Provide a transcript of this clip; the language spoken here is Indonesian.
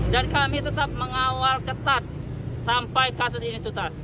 dan kami tetap mengawal ketat sampai kasus ini tutas